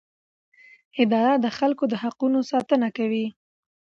اداره د خلکو د حقونو ساتنه کوي.